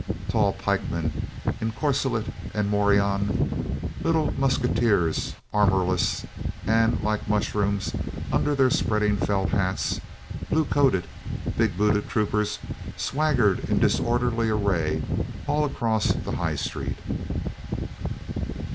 Tall pikemen in corselet and morion, little musketeers, armorless, and like mushrooms under their spreading felt hats, blue coated, big booted troopers swaggered in disorderly array all across the High Street.